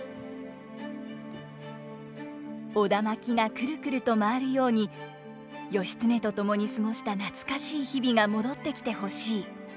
苧環がくるくると回るように義経と共に過ごした懐かしい日々が戻ってきて欲しい。